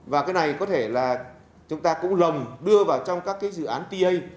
và cái này có thể là chúng ta cũng lầm đưa vào trong các dự án ta